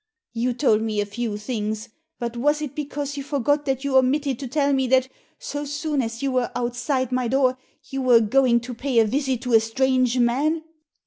" You told me a few things, but was it because you forgot that you omitted to tell me that, so soon as you were outside my door, you were going to pay a visit to a strange man